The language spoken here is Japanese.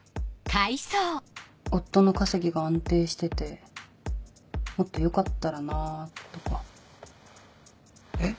夫の稼ぎが安定しててもっと良かったらなぁとかえ？